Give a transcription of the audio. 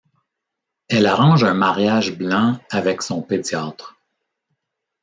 Elle arrange un mariage blanc avec son pédiatre...